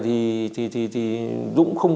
thì dũng không